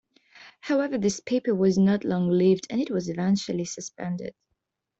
However, this paper was not long-lived, and it was eventually suspended.